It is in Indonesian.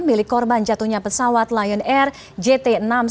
milik korban jatuhnya pesawat lion air jt enam ratus sepuluh